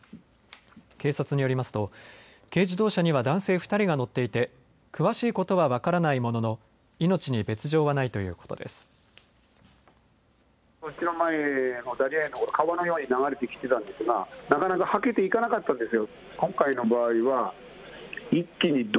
警察によりますと軽自動車には男性２人が乗っていて詳しいことは分からないものの命に別状はないということです。